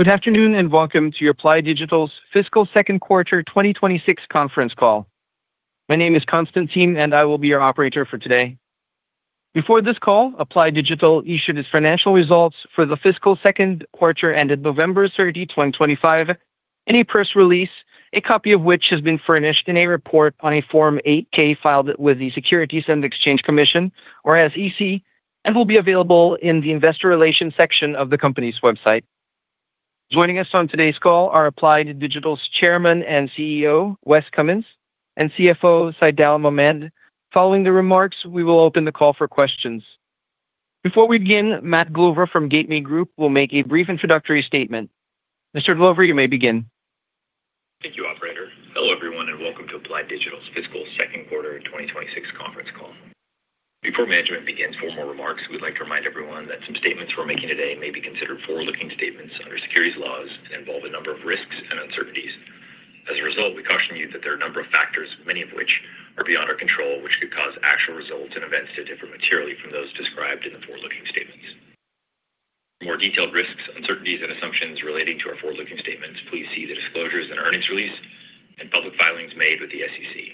Good afternoon and welcome to Applied Digital's Fiscal Second Quarter 2026 conference call. My name is Constantine, and I will be your operator for today. Before this call, Applied Digital issued its financial results for the fiscal second quarter ended November 30, 2025, in a press release, a copy of which has been furnished in a report on a Form 8-K filed with the Securities and Exchange Commission, or SEC, and will be available in the Investor Relations section of the company's website. Joining us on today's call are Applied Digital's Chairman and CEO, Wes Cummins, and CFO, Saidal Mohmand. Following the remarks, we will open the call for questions. Before we begin, Matt Glover from Gateway Group will make a brief introductory statement. Mr. Glover, you may begin. Thank you, Operator. Hello everyone, and welcome to Applied Digital's Fiscal Second Quarter 2026 conference call. Before management begins formal remarks, we'd like to remind everyone that some statements we're making today may be considered forward-looking statements under securities laws and involve a number of risks and uncertainties. As a result, we caution you that there are a number of factors, many of which are beyond our control, which could cause actual results and events to differ materially from those described in the forward-looking statements. For more detailed risks, uncertainties, and assumptions relating to our forward-looking statements, please see the disclosures in our earnings release and public filings made with the SEC.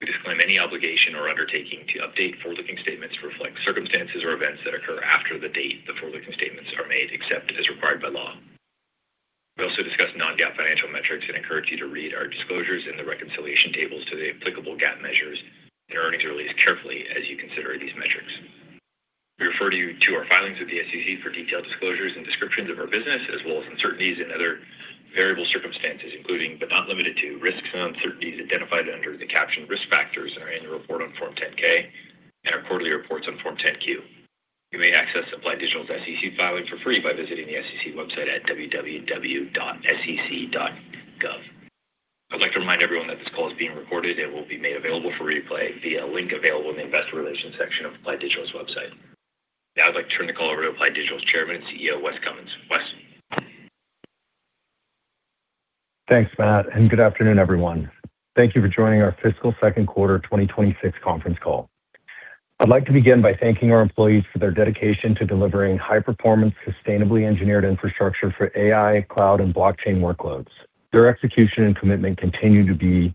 We disclaim any obligation or undertaking to update forward-looking statements to reflect circumstances or events that occur after the date the forward-looking statements are made, except as required by law. We also discuss non-GAAP financial metrics and encourage you to read our disclosures and the reconciliation tables to the applicable GAAP measures in our earnings release carefully as you consider these metrics. We refer you to our filings with the SEC for detailed disclosures and descriptions of our business, as well as uncertainties and other variable circumstances, including but not limited to risks and uncertainties identified under the captioned risk factors in our annual report on Form 10K and our quarterly reports on Form 10Q. You may access Applied Digital's SEC filing for free by visiting the SEC website at www.sec.gov. I'd like to remind everyone that this call is being recorded and will be made available for replay via a link available in the Investor Relations section of Applied Digital's website. Now I'd like to turn the call over to Applied Digital's Chairman and CEO, Wes Cummins. Wes. Thanks, Matt, and good afternoon, everyone. Thank you for joining our Fiscal Second Quarter 2026 conference call. I'd like to begin by thanking our employees for their dedication to delivering high-performance, sustainably engineered infrastructure for AI, cloud, and blockchain workloads. Their execution and commitment continue to be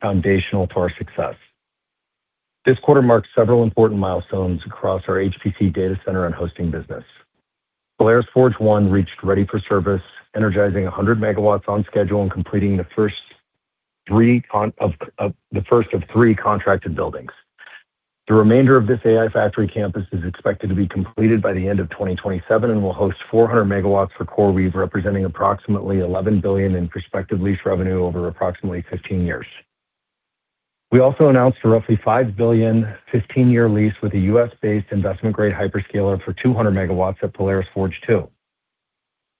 foundational to our success. This quarter marks several important milestones across our HPC data center and hosting business. Polaris Forge 1 reached ready for service, energizing 100 MW on schedule and completing the first three contracted buildings. The remainder of this AI factory campus is expected to be completed by the end of 2027 and will host 400 MW for CoreWeave, representing approximately $11 billion in prospective lease revenue over approximately 15 years. We also announced a roughly $5 billion 15-year lease with a U.S.-based investment-grade hyperscaler for 200 megawatts at Polaris Forge 2.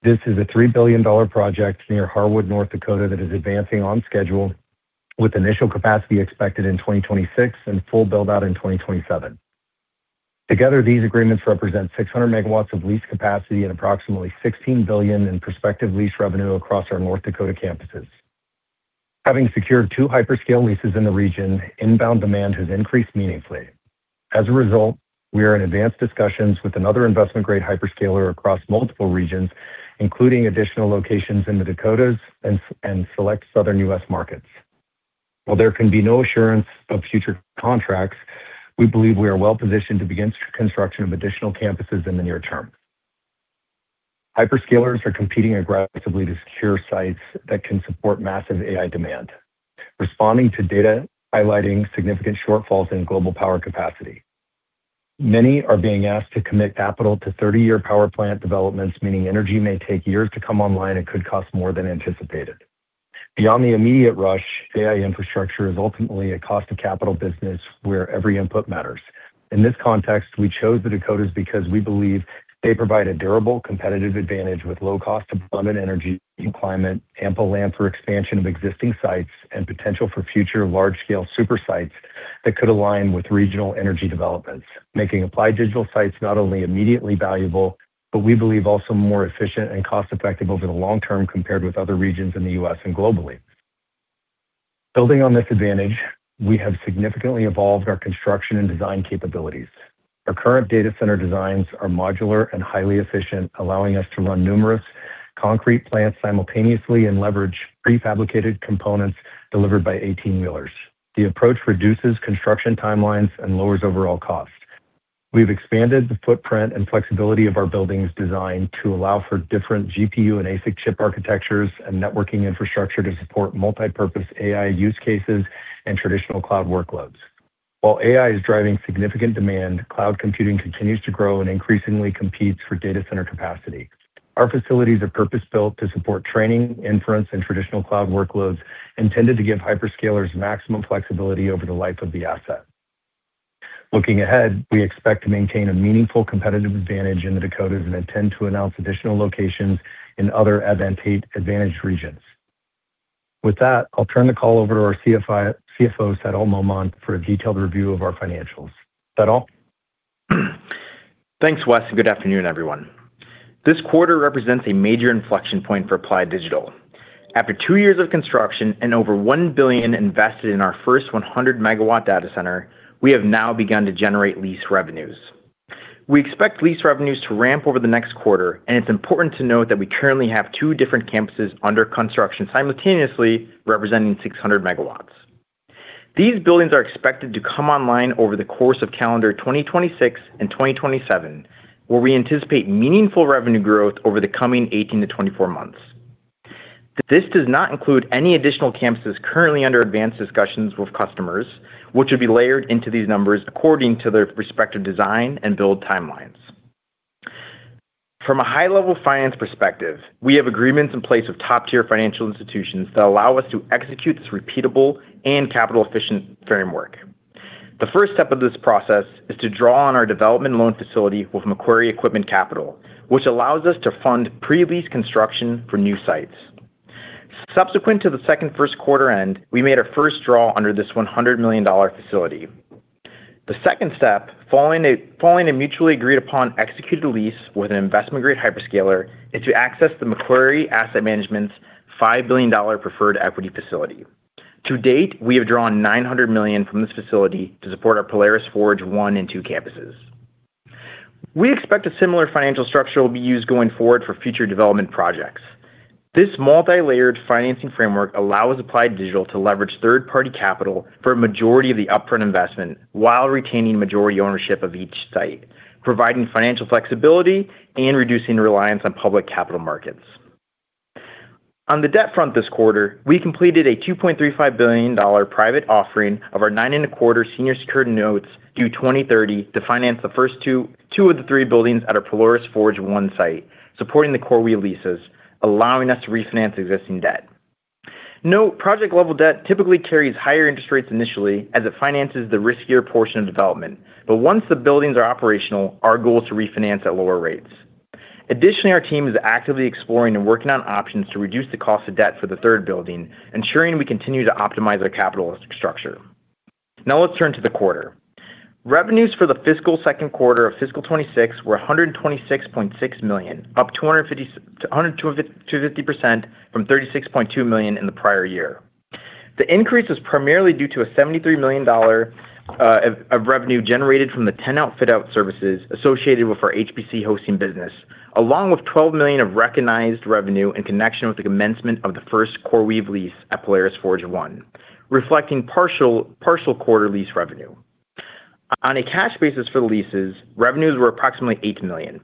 This is a $3 billion project near Harwood, North Dakota, that is advancing on schedule, with initial capacity expected in 2026 and full build-out in 2027. Together, these agreements represent 600 MW of lease capacity and approximately $16 billion in prospective lease revenue across our North Dakota campuses. Having secured two hyperscale leases in the region, inbound demand has increased meaningfully. As a result, we are in advanced discussions with another investment-grade hyperscaler across multiple regions, including additional locations in the Dakotas and select southern U.S. markets. While there can be no assurance of future contracts, we believe we are well positioned to begin construction of additional campuses in the near term. Hyperscalers are competing aggressively to secure sites that can support massive AI demand, responding to data highlighting significant shortfalls in global power capacity. Many are being asked to commit capital to 30-year power plant developments, meaning energy may take years to come online and could cost more than anticipated. Beyond the immediate rush, AI infrastructure is ultimately a cost-of-capital business where every input matters. In this context, we chose the Dakotas because we believe they provide a durable competitive advantage with low-cost abundant energy and climate, ample land for expansion of existing sites, and potential for future large-scale super sites that could align with regional energy developments, making Applied Digital sites not only immediately valuable, but we believe also more efficient and cost-effective over the long term compared with other regions in the U.S. and globally. Building on this advantage, we have significantly evolved our construction and design capabilities. Our current data center designs are modular and highly efficient, allowing us to run numerous concrete plants simultaneously and leverage prefabricated components delivered by 18-wheelers. The approach reduces construction timelines and lowers overall cost. We've expanded the footprint and flexibility of our buildings' design to allow for different GPU and ASIC chip architectures and networking infrastructure to support multipurpose AI use cases and traditional cloud workloads. While AI is driving significant demand, cloud computing continues to grow and increasingly competes for data center capacity. Our facilities are purpose-built to support training, inference, and traditional cloud workloads, intended to give hyperscalers maximum flexibility over the life of the asset. Looking ahead, we expect to maintain a meaningful competitive advantage in the Dakotas and intend to announce additional locations in other advantaged regions. With that, I'll turn the call over to our CFO, Saidal Mohmand, for a detailed review of our financials. Saidal. Thanks, Wes, and good afternoon, everyone. This quarter represents a major inflection point for Applied Digital. After two years of construction and over $1 billion invested in our first 100-megawatt data center, we have now begun to generate lease revenues. We expect lease revenues to ramp over the next quarter, and it's important to note that we currently have two different campuses under construction simultaneously representing 600 MW. These buildings are expected to come online over the course of calendar 2026 and 2027, where we anticipate meaningful revenue growth over the coming 18 to 24 months. This does not include any additional campuses currently under advanced discussions with customers, which would be layered into these numbers according to their respective design and build timelines. From a high-level finance perspective, we have agreements in place with top-tier financial institutions that allow us to execute this repeatable and capital-efficient framework. The first step of this process is to draw on our development loan facility with Macquarie Equipment Capital, which allows us to fund pre-lease construction for new sites. Subsequent to the fiscal first-quarter end, we made our first draw under this $100 million facility. The second step, following a mutually agreed-upon executed lease with an investment-grade hyperscaler, is to access the Macquarie Asset Management's $5 billion preferred equity facility. To date, we have drawn $900 million from this facility to support our Polaris Forge 1 and 2 campuses. We expect a similar financial structure will be used going forward for future development projects. This multi-layered financing framework allows Applied Digital to leverage third-party capital for a majority of the upfront investment while retaining majority ownership of each site, providing financial flexibility and reducing reliance on public capital markets. On the debt front this quarter, we completed a $2.35 billion private offering of our nine-and-a-quarter senior secured notes due 2030 to finance the first two of the three buildings at our Polaris Forge 1 site, supporting the CoreWeave leases, allowing us to refinance existing debt. Note, project-level debt typically carries higher interest rates initially as it finances the riskier portion of development, but once the buildings are operational, our goal is to refinance at lower rates. Additionally, our team is actively exploring and working on options to reduce the cost of debt for the third building, ensuring we continue to optimize our capital structure. Now let's turn to the quarter. Revenues for the fiscal second quarter of fiscal 2026 were $126.6 million, up 250% from $36.2 million in the prior year. The increase was primarily due to $73 million of revenue generated from the turnkey fit-out services associated with our HPC hosting business, along with $12 million of recognized revenue in connection with the commencement of the first CoreWeave lease at Polaris Forge 1, reflecting partial quarter lease revenue. On a cash basis for the leases, revenues were approximately $8 million.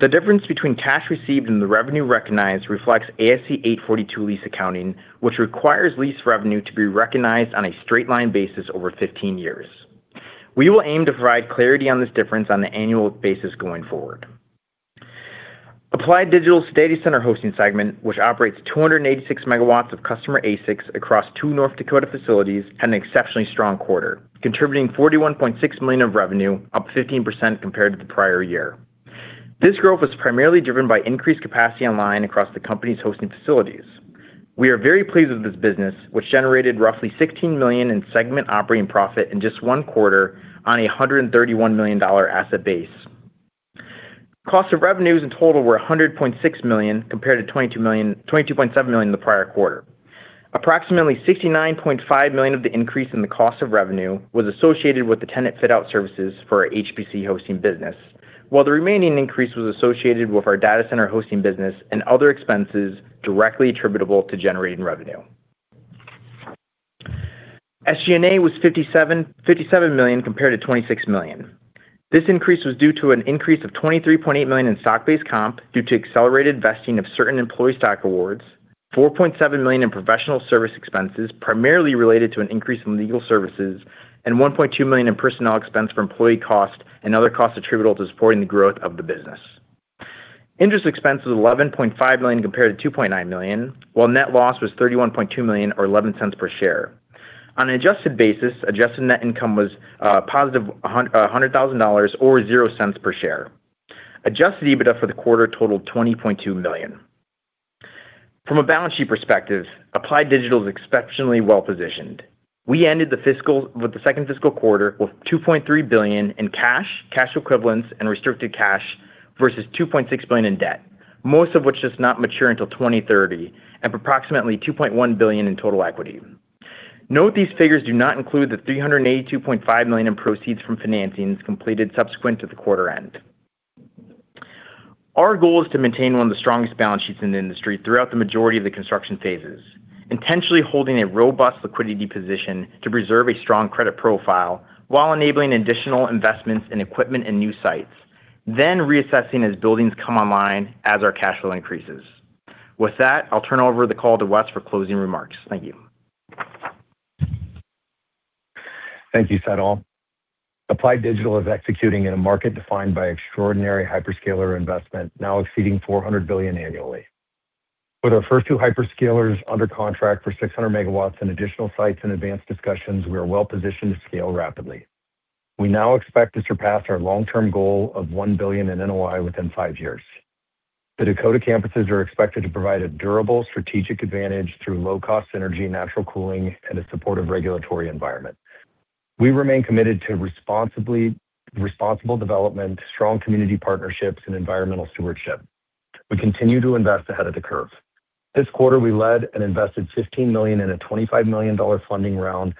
The difference between cash received and the revenue recognized reflects ASC 842 lease accounting, which requires lease revenue to be recognized on a straight-line basis over 15 years. We will aim to provide clarity on this difference on an annual basis going forward. Applied Digital's data center hosting segment, which operates 286 MW of customer ASICs across two North Dakota facilities, had an exceptionally strong quarter, contributing $41.6 million of revenue, up 15% compared to the prior year. This growth was primarily driven by increased capacity online across the company's hosting facilities. We are very pleased with this business, which generated roughly $16 million in segment operating profit in just one quarter on a $131 million asset base. Cost of revenues in total were $100.6 million compared to $22.7 million in the prior quarter. Approximately $69.5 million of the increase in the cost of revenue was associated with the tenant fit-out services for our HPC hosting business, while the remaining increase was associated with our data center hosting business and other expenses directly attributable to generating revenue. SG&A was $57 million compared to $26 million. This increase was due to an increase of $23.8 million in stock-based comp due to accelerated vesting of certain employee stock awards, $4.7 million in professional service expenses primarily related to an increase in legal services, and $1.2 million in personnel expense for employee costs and other costs attributable to supporting the growth of the business. Interest expense was $11.5 million compared to $2.9 million, while net loss was $31.2 million, or $0.11 per share. On an adjusted basis, adjusted net income was positive $100,000 or $0 per share. Adjusted EBITDA for the quarter totaled $20.2 million. From a balance sheet perspective, Applied Digital is exceptionally well positioned. We ended the second fiscal quarter with $2.3 billion in cash, cash equivalents, and restricted cash versus $2.6 billion in debt, most of which does not mature until 2030, and approximately $2.1 billion in total equity. Note these figures do not include the $382.5 million in proceeds from financings completed subsequent to the quarter end. Our goal is to maintain one of the strongest balance sheets in the industry throughout the majority of the construction phases, intentionally holding a robust liquidity position to preserve a strong credit profile while enabling additional investments in equipment and new sites, then reassessing as buildings come online as our cash flow increases. With that, I'll turn over the call to Wes for closing remarks. Thank you. Thank you, Saidal. Applied Digital is executing in a market defined by extraordinary hyperscaler investment, now exceeding $400 billion annually. With our first two hyperscalers under contract for 600 MW and additional sites in advanced discussions, we are well positioned to scale rapidly. We now expect to surpass our long-term goal of $1 billion in NOI within five years. The Dakota campuses are expected to provide a durable strategic advantage through low-cost energy, natural cooling, and a supportive regulatory environment. We remain committed to responsible development, strong community partnerships, and environmental stewardship. We continue to invest ahead of the curve. This quarter, we led and invested $15 million in a $25 million funding round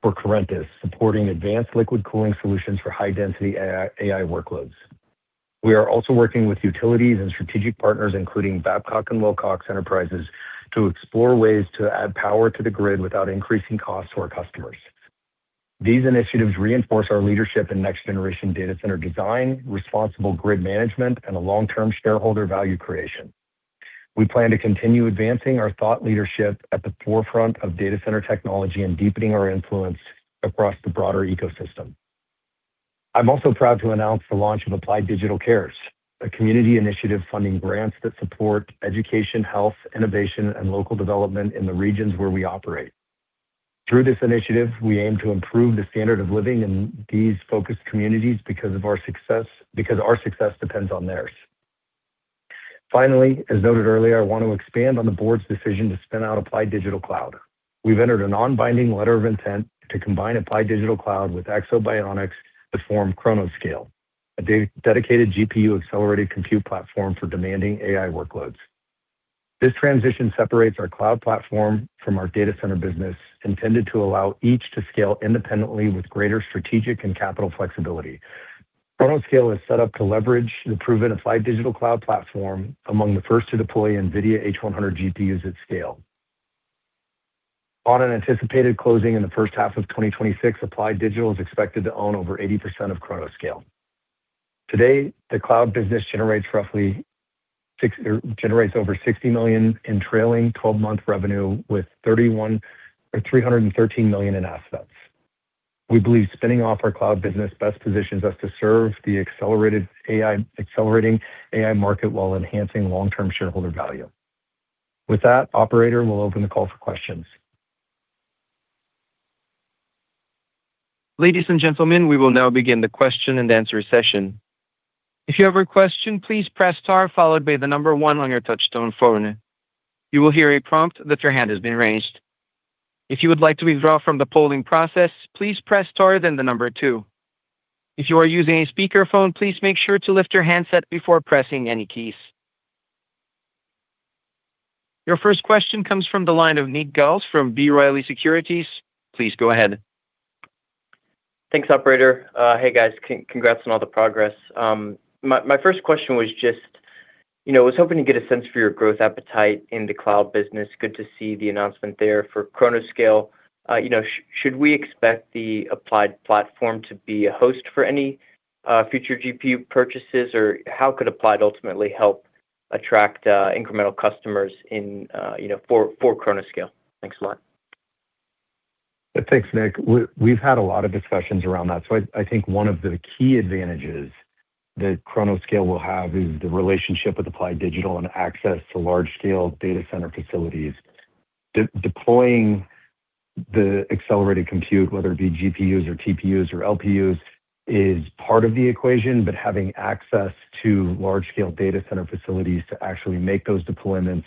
for Corintis, supporting advanced liquid cooling solutions for high-density AI workloads. We are also working with utilities and strategic partners, including Babcock & Wilcox Enterprises, to explore ways to add power to the grid without increasing costs to our customers. These initiatives reinforce our leadership in next-generation data center design, responsible grid management, and long-term shareholder value creation. We plan to continue advancing our thought leadership at the forefront of data center technology and deepening our influence across the broader ecosystem. I'm also proud to announce the launch of Applied Digital Cares, a community initiative funding grants that support education, health, innovation, and local development in the regions where we operate. Through this initiative, we aim to improve the standard of living in these focused communities because our success depends on theirs. Finally, as noted earlier, I want to expand on the board's decision to spin out Applied Digital Cloud. We've entered a non-binding letter of intent to combine Applied Digital Cloud with Exo to form Chronoscale, a dedicated GPU-accelerated compute platform for demanding AI workloads. This transition separates our cloud platform from our data center business, intended to allow each to scale independently with greater strategic and capital flexibility. Chronoscale is set up to leverage the proven Applied Digital Cloud platform among the first to deploy NVIDIA H100 GPUs at scale. On an anticipated closing in the first half of 2026, Applied Digital is expected to own over 80% of Chronoscale. Today, the cloud business generates over $60 million in trailing 12-month revenue with $313 million in assets. We believe spinning off our cloud business best positions us to serve the accelerating AI market while enhancing long-term shareholder value. With that, Operator will open the call for questions. Ladies and gentlemen, we will now begin the question and answer session. If you have a question, please press star, followed by the number one on your touch-tone phone. You will hear a prompt that your hand has been raised. If you would like to withdraw from the polling process, please press star, then the number two. If you are using a speakerphone, please make sure to lift your handset before pressing any keys. Your first question comes from the line of Nick Giles from B. Riley Securities. Please go ahead. Thanks, Operator. Hey, guys, congrats on all the progress. My first question was just, I was hoping to get a sense for your growth appetite in the cloud business. Good to see the announcement there for Chronoscale. Should we expect the Applied platform to be a host for any future GPU purchases, or how Could Applied ultimately help attract incremental customers for Chronoscale? Thanks a lot. Thanks, Nick. We've had a lot of discussions around that. So I think one of the key advantages that Chronoscale will have is the relationship with Applied Digital and access to large-scale data center facilities. Deploying the accelerated compute, whether it be GPUs or TPUs or LPUs, is part of the equation, but having access to large-scale data center facilities to actually make those deployments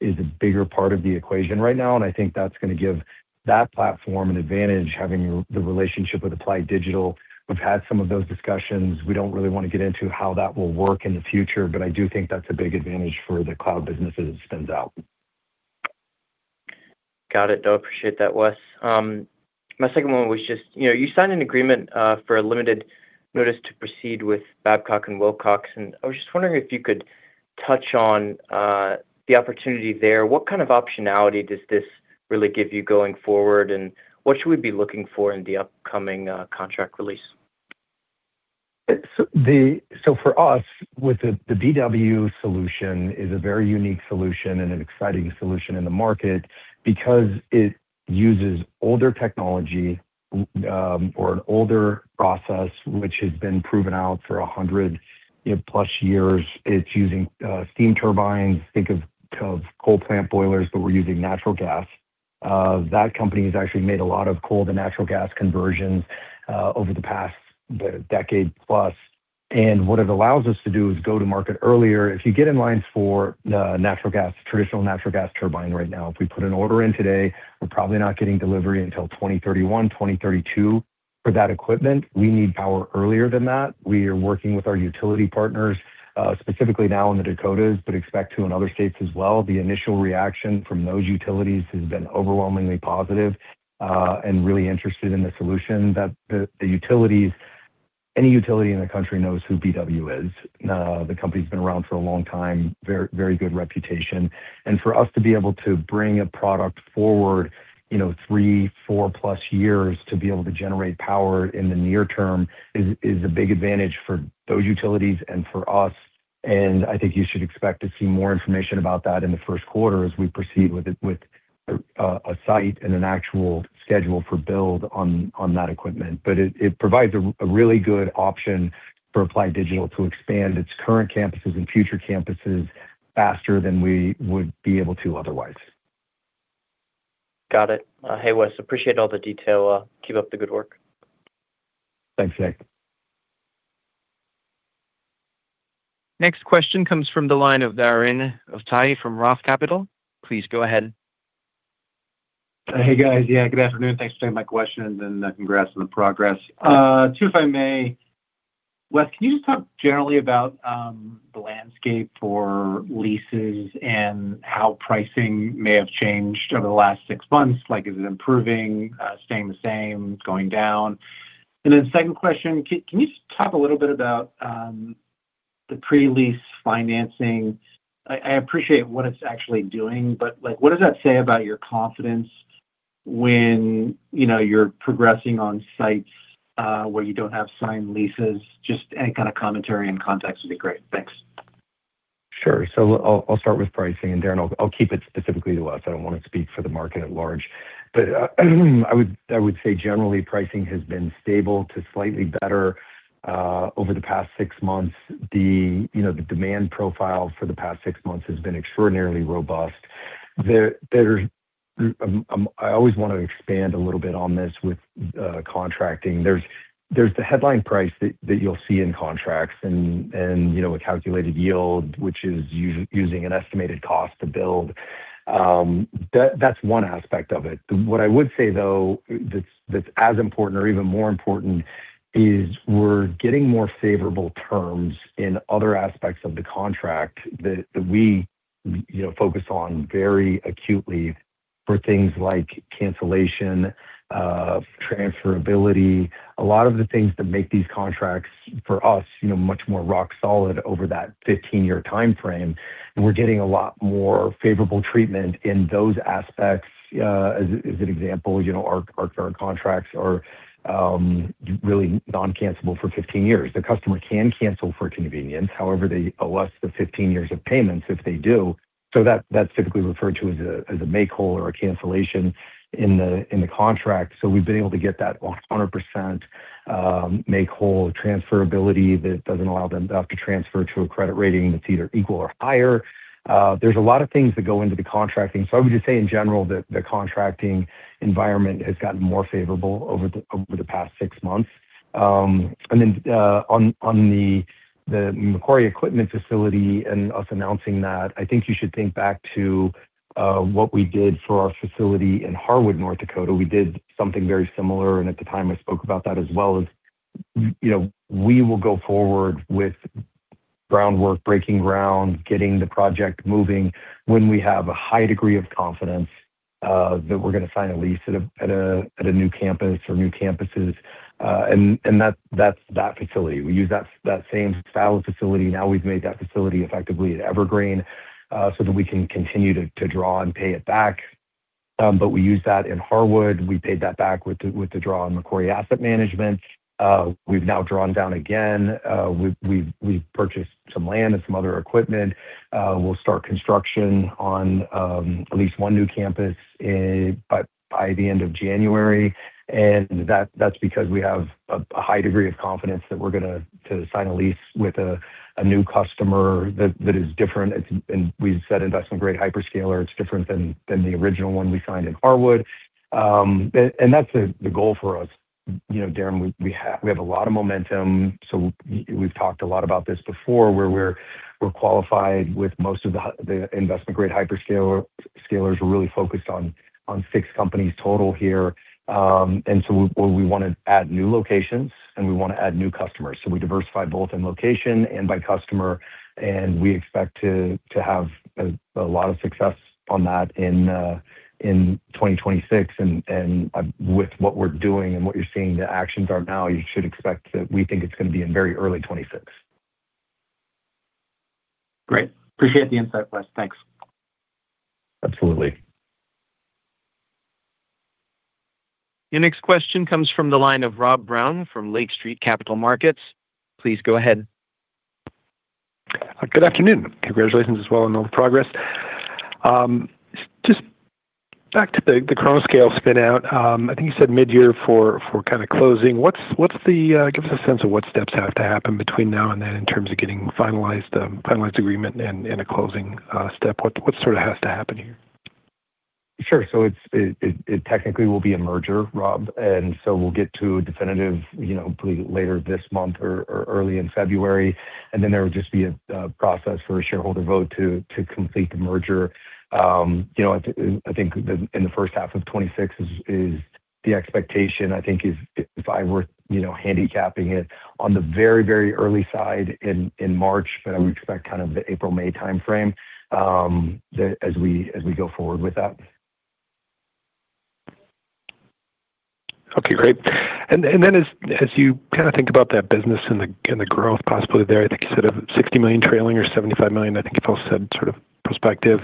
is a bigger part of the equation right now. And I think that's going to give that platform an advantage, having the relationship with Applied Digital. We've had some of those discussions. We don't really want to get into how that will work in the future, but I do think that's a big advantage for the cloud business as it spins out. Got it. No, I appreciate that, Wes. My second one was just, you signed an agreement for a limited notice to proceed with Babcock & Wilcox, and I was just wondering if you could touch on the opportunity there. What kind of optionality does this really give you going forward, and what should we be looking for in the upcoming contract release? So for us, the BW solution is a very unique solution and an exciting solution in the market because it uses older technology or an older process, which has been proven out for 100-plus years. It's using steam turbines, think of coal plant boilers, but we're using natural gas. That company has actually made a lot of coal to natural gas conversions over the past decade plus. And what it allows us to do is go to market earlier. If you get in lines for a traditional natural gas turbine right now, if we put an order in today, we're probably not getting delivery until 2031, 2032 for that equipment. We need power earlier than that. We are working with our utility partners, specifically now in the Dakotas, but expect to in other states as well. The initial reaction from those utilities has been overwhelmingly positive and really interested in the solution. Any utility in the country knows who BW is. The company's been around for a long time, very good reputation. And for us to be able to bring a product forward three, four-plus years to be able to generate power in the near term is a big advantage for those utilities and for us. And I think you should expect to see more information about that in the first quarter as we proceed with a site and an actual schedule for build on that equipment. But it provides a really good option for Applied Digital to expand its current campuses and future campuses faster than we would be able to otherwise. Got it. Hey, Wes, appreciate all the detail. Keep up the good work. Thanks, Nick. Next question comes from the line of Darren Aftahi from Roth Capital. Please go ahead. Hey, guys. Yeah, good afternoon. Thanks for taking my question and congrats on the progress. Two, if I may, Wes, can you just talk generally about the landscape for leases and how pricing may have changed over the last six months? Is it improving, staying the same, going down? And then second question, can you just talk a little bit about the pre-lease financing? I appreciate what it's actually doing, but what does that say about your confidence when you're progressing on sites where you don't have signed leases? Just any kind of commentary and context would be great. Thanks. Sure. So I'll start with pricing, and Darren I'll keep it specifically to Wes. I don't want to speak for the market at large. But I would say generally, pricing has been stable to slightly better over the past six months. The demand profile for the past six months has been extraordinarily robust. I always want to expand a little bit on this with contracting. There's the headline price that you'll see in contracts and a calculated yield, which is using an estimated cost to build. That's one aspect of it. What I would say, though, that's as important or even more important is we're getting more favorable terms in other aspects of the contract that we focus on very acutely for things like cancellation, transferability, a lot of the things that make these contracts for us much more rock solid over that 15-year timeframe. We're getting a lot more favorable treatment in those aspects. As an example, our contracts are really non-cancelable for 15 years. The customer can cancel for convenience. However, they owe us the 15 years of payments if they do. So that's typically referred to as a make-whole or a cancellation in the contract. So we've been able to get that 100% make-whole transferability that doesn't allow them to transfer to a credit rating that's either equal or higher. There's a lot of things that go into the contracting. So I would just say, in general, that the contracting environment has gotten more favorable over the past six months. And then on the Macquarie equipment facility and us announcing that, I think you should think back to what we did for our facility in Harwood, North Dakota. We did something very similar, and at the time, I spoke about that as well as we will go forward with groundwork, breaking ground, getting the project moving when we have a high degree of confidence that we're going to sign a lease at a new campus or new campuses. And that's that facility. We use that same style of facility. Now we've made that facility effectively an evergreen so that we can continue to draw and pay it back. But we use that in Harwood. We paid that back with the draw on Macquarie Asset Management. We've now drawn down again. We've purchased some land and some other equipment. We'll start construction on at least one new campus by the end of January. And that's because we have a high degree of confidence that we're going to sign a lease with a new customer that is different. We've said investment-grade hyperscaler. It's different than the original one we signed in Harwood, and that's the goal for us. Darren, we have a lot of momentum, so we've talked a lot about this before where we're qualified with most of the investment-grade hyperscalers are really focused on six companies total here, and so we want to add new locations, and we want to add new customers, so we diversify both in location and by customer, and we expect to have a lot of success on that in 2026, and with what we're doing and what you're seeing, the actions are now, you should expect that we think it's going to be in very early 2026. Great. Appreciate the insight, Wes. Thanks. Absolutely. Your next question comes from the line of Rob Brown from Lake Street Capital Markets. Please go ahead. Good afternoon. Congratulations as well on all the progress. Just back to the Chronoscale spinout. I think you said mid-year for kind of closing. Give us a sense of what steps have to happen between now and then in terms of getting a finalized agreement and a closing step. What sort of has to happen here? Sure. So it technically will be a merger, Rob. And so we'll get to a definitive later this month or early in February. And then there will just be a process for a shareholder vote to complete the merger. I think in the first half of 2026 is the expectation. I think if I were handicapping it on the very, very early side in March, but I would expect kind of the April, May timeframe as we go forward with that. Okay. Great. And then as you kind of think about that business and the growth possibility there, I think you said of $60 million trailing or $75 million. I think you've also said sort of prospective.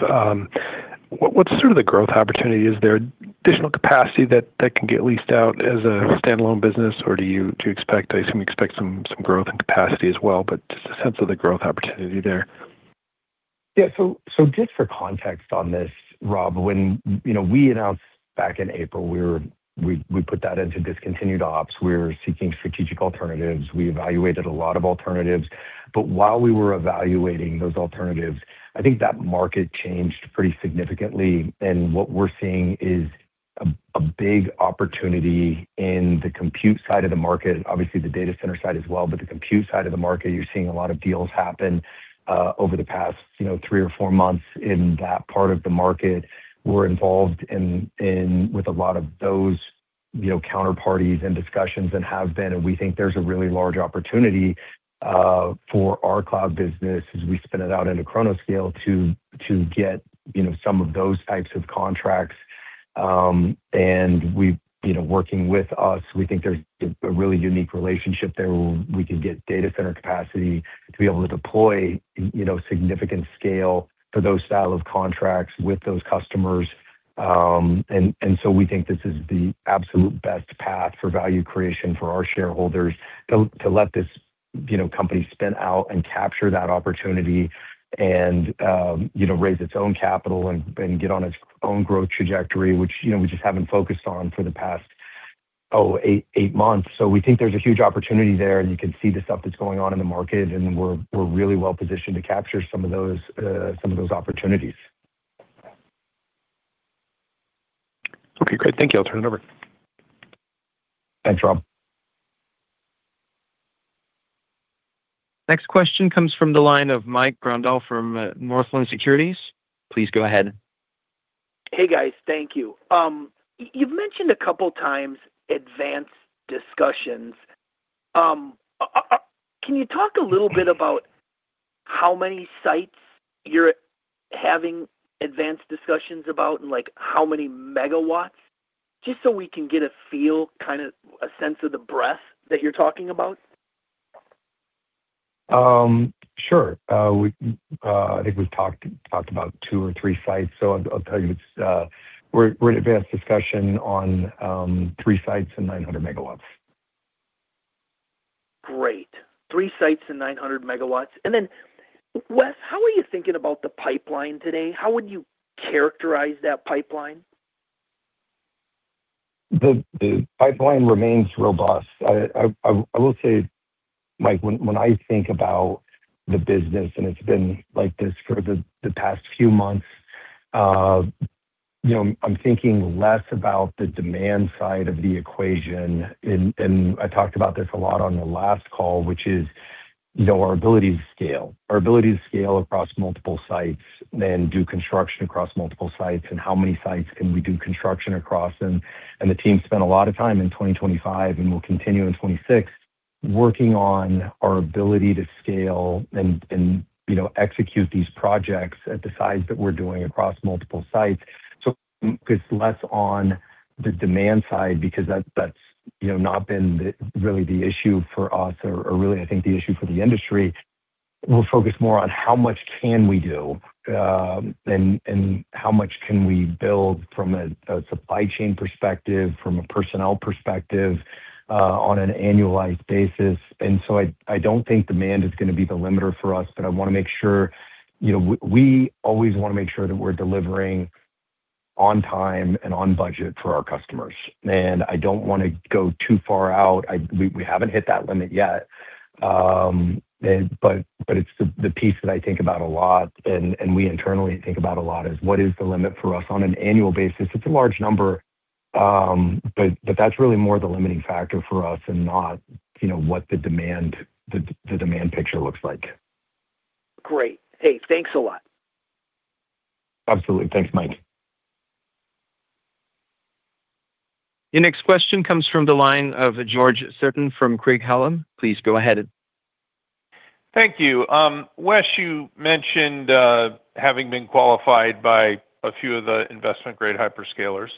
What sort of the growth opportunity is there? Additional capacity that can get leased out as a standalone business, or do you expect I assume you expect some growth and capacity as well, but just a sense of the growth opportunity there? Yeah. So just for context on this, Rob, when we announced back in April, we put that into discontinued ops. We're seeking strategic alternatives. We evaluated a lot of alternatives, but while we were evaluating those alternatives, I think that market changed pretty significantly, and what we're seeing is a big opportunity in the compute side of the market, obviously the data center side as well, but the compute side of the market. You're seeing a lot of deals happen over the past three or four months in that part of the market. We're involved with a lot of those counterparties and discussions and have been. We think there's a really large opportunity for our cloud business as we spin it out into Chronoscale to get some of those types of contracts. And working with us, we think there's a really unique relationship there where we can get data center capacity to be able to deploy significant scale for those style of contracts with those customers. And so we think this is the absolute best path for value creation for our shareholders to let this company spin out and capture that opportunity and raise its own capital and get on its own growth trajectory, which we just haven't focused on for the past, oh, eight months. So we think there's a huge opportunity there, and you can see the stuff that's going on in the market, and we're really well positioned to capture some of those opportunities. Okay. Great. Thank you. I'll turn it over. Thanks, Rob. Next question comes from the line of Mike Grondahl from Northland Securities. Please go ahead. Hey, guys. Thank you. You've mentioned a couple of times advanced discussions. Can you talk a little bit about how many sites you're having advanced discussions about and how many megawatts? Just so we can get a feel, kind of a sense of the breadth that you're talking about. Sure. I think we've talked about two or three sites, so I'll tell you, we're in advanced discussion on three sites and 900 MW. Great. Three sites and 900 MW. And then, Wes, how are you thinking about the pipeline today? How would you characterize that pipeline? The pipeline remains robust. I will say, Mike, when I think about the business, and it's been like this for the past few months, I'm thinking less about the demand side of the equation, and I talked about this a lot on the last call, which is our ability to scale. Our ability to scale across multiple sites and do construction across multiple sites, and how many sites can we do construction across? The team spent a lot of time in 2025 and will continue in 2026 working on our ability to scale and execute these projects at the size that we're doing across multiple sites, so it's less on the demand side because that's not been really the issue for us, or really, I think the issue for the industry. We'll focus more on how much can we do and how much can we build from a supply chain perspective, from a personnel perspective on an annualized basis. So I don't think demand is going to be the limiter for us, but I want to make sure we're delivering on time and on budget for our customers. I don't want to go too far out. We haven't hit that limit yet. It's the piece that I think about a lot, and we internally think about a lot is what is the limit for us on an annual basis? It's a large number, but that's really more the limiting factor for us and not what the demand picture looks like. Great. Hey, thanks a lot. Absolutely. Thanks, Mike. Your next question comes from the line of George Sutton from Craig-Hallum. Please go ahead. Thank you. Wes, you mentioned having been qualified by a few of the investment-grade hyperscalers.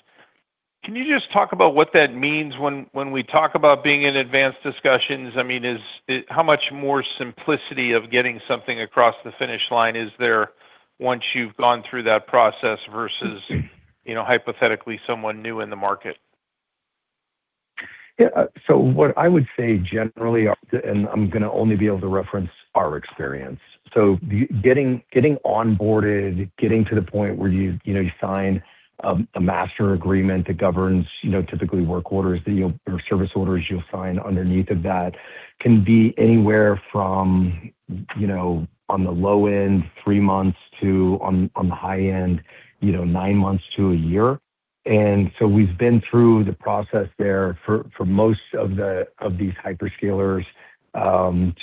Can you just talk about what that means when we talk about being in advanced discussions? I mean, how much more simplicity of getting something across the finish line is there once you've gone through that process versus hypothetically someone new in the market? Yeah. So what I would say generally, and I'm going to only be able to reference our experience. So getting onboarded, getting to the point where you sign a master agreement that governs typically work orders or service orders you'll sign underneath of that can be anywhere from on the low end, three months, to on the high end, nine months to a year. And so we've been through the process there for most of these hyperscalers.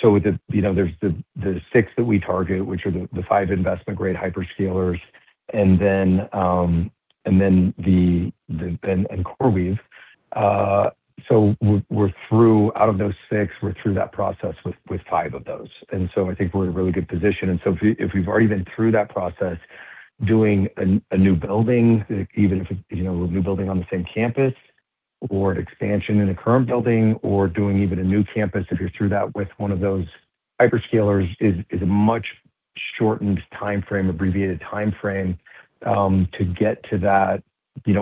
So there's the six that we target, which are the five investment-grade hyperscalers, and then CoreWeave. So out of those six, we're through that process with five of those. And so I think we're in a really good position. And so, if we've already been through that process doing a new building, even if it's a new building on the same campus or an expansion in a current building or doing even a new campus, if you're through that with one of those hyperscalers, it's a much shortened timeframe, abbreviated timeframe to get to that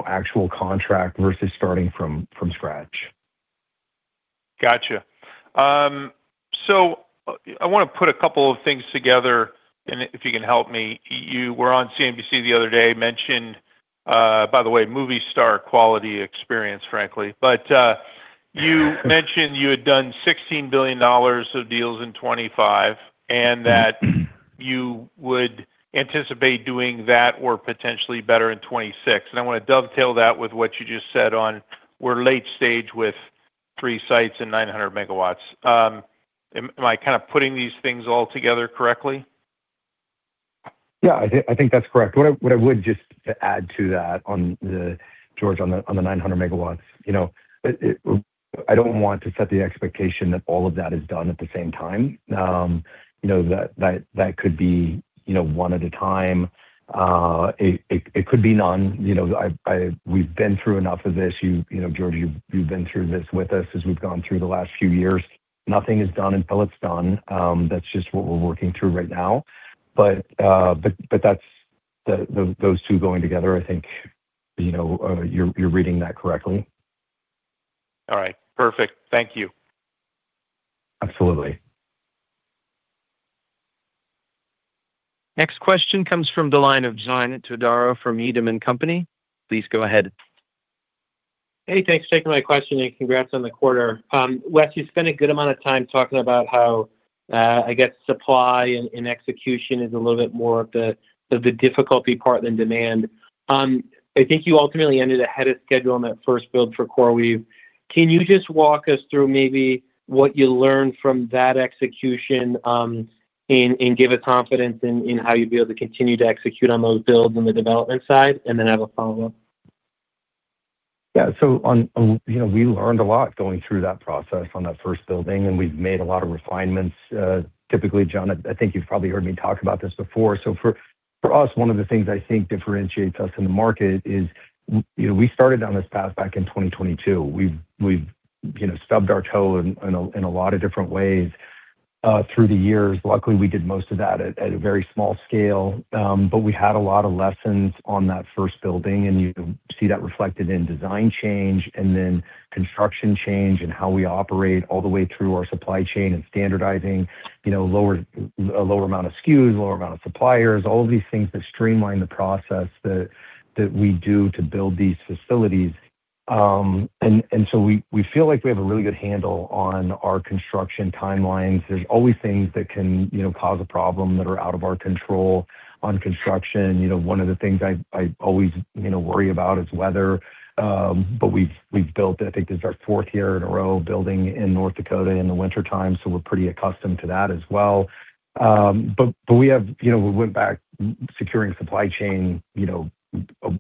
actual contract versus starting from scratch. Gotcha. So I want to put a couple of things together, and if you can help me. We're on CNBC the other day. By the way, MovieStar quality experience, frankly. But you mentioned you had done $16 billion of deals in 2025 and that you would anticipate doing that or potentially better in 2026. And I want to dovetail that with what you just said on we're late stage with three sites and 900 MW. Am I kind of putting these things all together correctly? Yeah. I think that's correct. What I would just add to that, George, on the 900 MW, I don't want to set the expectation that all of that is done at the same time. That could be one at a time. It could be none. We've been through enough of this. George, you've been through this with us as we've gone through the last few years. Nothing is done until it's done. That's just what we're working through right now. But those two going together, I think you're reading that correctly. All right. Perfect. Thank you. Absolutely. Next question comes from the line of John Todaro from Needham & Company. Please go ahead. Hey, thanks for taking my question and congrats on the quarter. Wes, you spent a good amount of time talking about how, I guess, supply and execution is a little bit more of the difficulty part than demand. I think you ultimately ended ahead of schedule on that first build for CoreWeave. Can you just walk us through maybe what you learned from that execution and give us confidence in how you'd be able to continue to execute on those builds on the development side and then have a follow-up? Yeah. So we learned a lot going through that process on that first building, and we've made a lot of refinements. Typically, John, I think you've probably heard me talk about this before. So for us, one of the things I think differentiates us in the market is we started down this path back in 2022. We've stubbed our toe in a lot of different ways through the years. Luckily, we did most of that at a very small scale, but we had a lot of lessons on that first building, and you see that reflected in design change and then construction change and how we operate all the way through our supply chain and standardizing, a lower amount of SKUs, a lower amount of suppliers, all of these things that streamline the process that we do to build these facilities. We feel like we have a really good handle on our construction timelines. There's always things that can cause a problem that are out of our control on construction. One of the things I always worry about is weather, but we've built, I think this is our fourth year in a row, building in North Dakota in the wintertime, so we're pretty accustomed to that as well. But we went back securing supply chain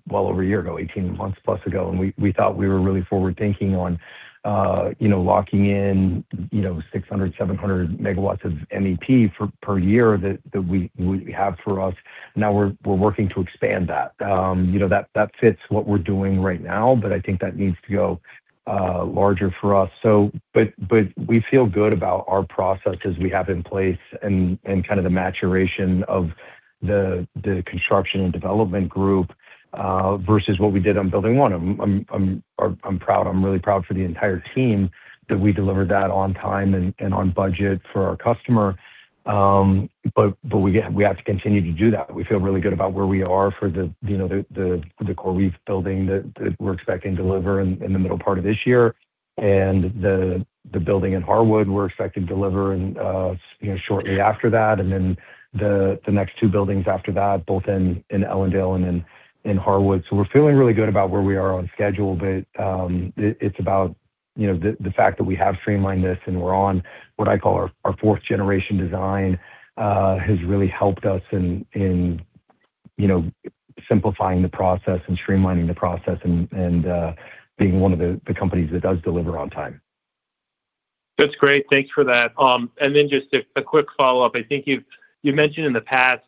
well over a year ago, 18 months plus ago, and we thought we were really forward-thinking on locking in 600 MW-700 MW of MEP per year that we have for us. Now we're working to expand that. That fits what we're doing right now, but I think that needs to go larger for us. But we feel good about our processes we have in place and kind of the maturation of the construction and development group versus what we did on building one. I'm proud. I'm really proud for the entire team that we delivered that on time and on budget for our customer. But we have to continue to do that. We feel really good about where we are for the CoreWeave building that we're expecting to deliver in the middle part of this year. And the building in Harwood, we're expecting to deliver shortly after that, and then the next two buildings after that, both in Ellendale and in Harwood. We're feeling really good about where we are on schedule, but it's about the fact that we have streamlined this and we're on what I call our fourth-generation design, has really helped us in simplifying the process and streamlining the process and being one of the companies that does deliver on time. That's great. Thanks for that. And then just a quick follow-up. I think you've mentioned in the past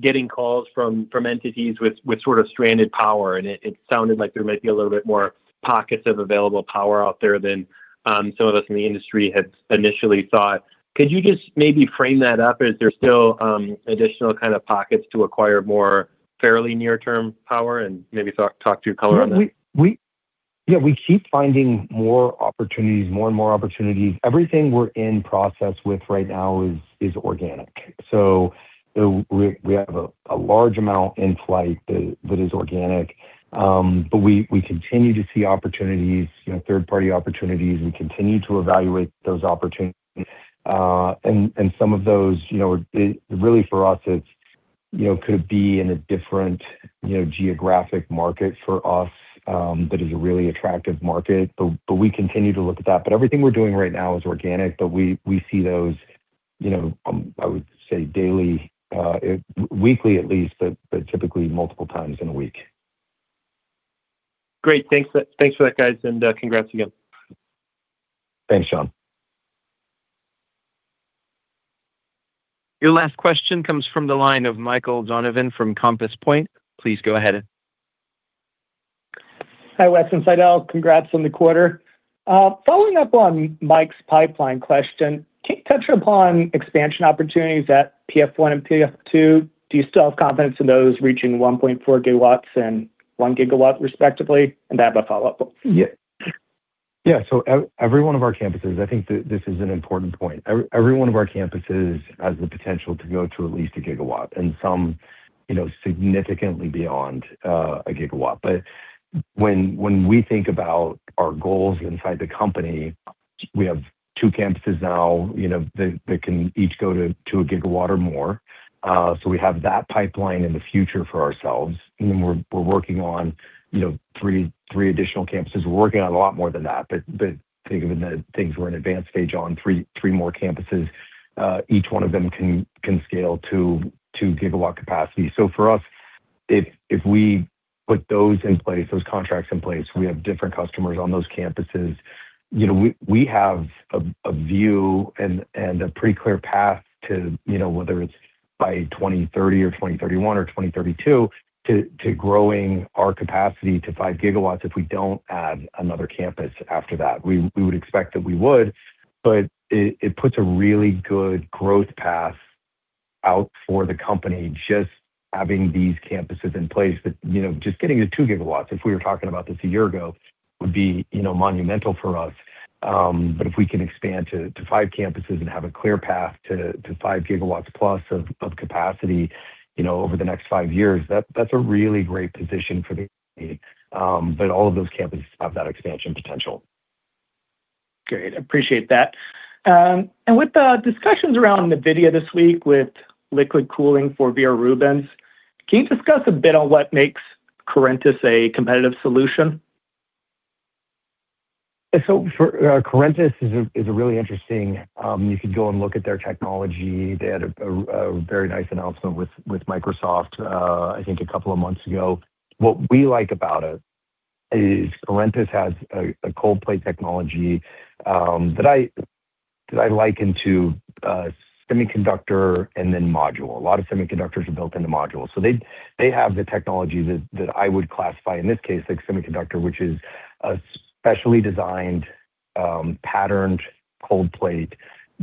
getting calls from entities with sort of stranded power, and it sounded like there might be a little bit more pockets of available power out there than some of us in the industry had initially thought. Could you just maybe frame that up? Is there still additional kind of pockets to acquire more fairly near-term power and maybe talk to your color on that? Yeah. We keep finding more opportunities, more and more opportunities. Everything we're in process with right now is organic. So we have a large amount in flight that is organic, but we continue to see opportunities, third-party opportunities. We continue to evaluate those opportunities. And some of those, really for us, it could be in a different geographic market for us that is a really attractive market, but we continue to look at that. But everything we're doing right now is organic, but we see those, I would say, daily, weekly at least, but typically multiple times in a week. Great. Thanks for that, guys, and congrats again. Thanks, John. Your last question comes from the line of Michael Donovan from Compass Point. Please go ahead. Hi, Wesley and Saidal. Congrats on the quarter. Following up on Mike's pipeline question, can you touch upon expansion opportunities at PF1 and PF2? Do you still have confidence in those reaching 1.4 GW and 1 GW respectively? And I have a follow-up. Yeah. So every one of our campuses, I think this is an important point. Every one of our campuses has the potential to go to at least a gigawatt and some significantly beyond a gigawatt. But when we think about our goals inside the company, we have two campuses now that can each go to a gigawatt or more. So we have that pipeline in the future for ourselves. And then we're working on three additional campuses. We're working on a lot more than that, but think of it as things we're in advanced stage on, three more campuses. Each one of them can scale to gigawatt capacity. So for us, if we put those in place, those contracts in place, we have different customers on those campuses. We have a view and a pretty clear path to whether it's by 2030 or 2031 or 2032 to growing our capacity to 5 GW if we don't add another campus after that. We would expect that we would, but it puts a really good growth path out for the company just having these campuses in place. Just getting to 2 gigawatts, if we were talking about this a year ago, would be monumental for us. But if we can expand to 5 campuses and have a clear path to 5 gigawatts plus of capacity over the next 5 years, that's a really great position for the company, but all of those campuses have that expansion potential. Great. Appreciate that and with the discussions around NVIDIA this week with liquid cooling for Rubin, can you discuss a bit on what makes Corintis a competitive solution? Corintis is a really interesting. You could go and look at their technology. They had a very nice announcement with Microsoft, I think, a couple of months ago. What we like about it is Corintis has a cold plate technology that I liken to semiconductor and then module. A lot of semiconductors are built into modules. So they have the technology that I would classify in this case like semiconductor, which is a specially designed patterned cold plate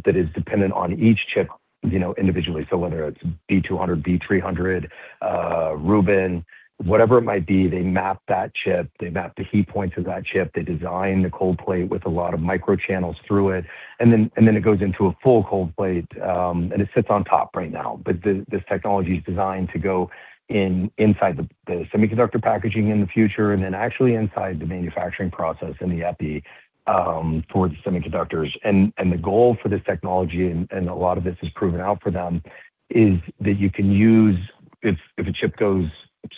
that is dependent on each chip individually. So whether it's B200, B300, Rubin, whatever it might be, they map that chip. They map the heat points of that chip. They design the cold plate with a lot of microchannels through it. And then it goes into a full cold plate, and it sits on top right now. But this technology is designed to go inside the semiconductor packaging in the future and then actually inside the manufacturing process and the EPI towards semiconductors. And the goal for this technology, and a lot of this is proven out for them, is that you can use if a chip goes,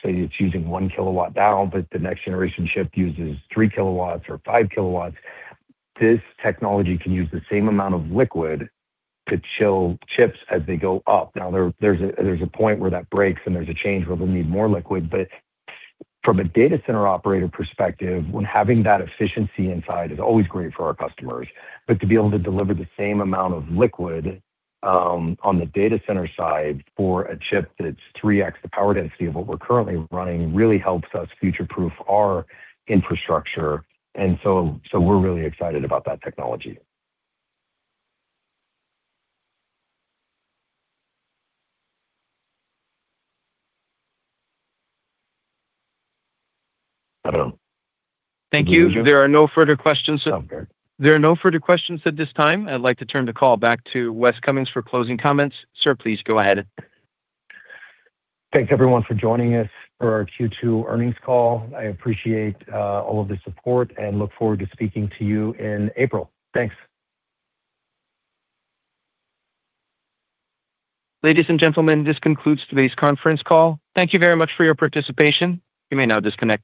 say, it's using 1 kW now, but the next generation chip uses 3 kW or 5 kW, this technology can use the same amount of liquid to chill chips as they go up. Now, there's a point where that breaks and there's a change where we'll need more liquid. But from a data center operator perspective, having that efficiency inside is always great for our customers. But to be able to deliver the same amount of liquid on the data center side for a chip that's 3x the power density of what we're currently running really helps us future-proof our infrastructure. We're really excited about that technology. Thank you. There are no further questions. Sounds good. There are no further questions at this time. I'd like to turn the call back to Wes Cummins for closing comments. Sir, please go ahead. Thanks, everyone, for joining us for our Q2 earnings call. I appreciate all of the support and look forward to speaking to you in April. Thanks. Ladies and gentlemen, this concludes today's conference call. Thank you very much for your participation. You may now disconnect.